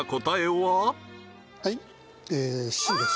はいＣです